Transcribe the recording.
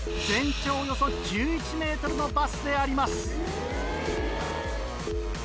全長およそ１１ｍのバスであります。